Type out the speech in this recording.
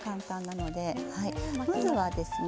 まずはですね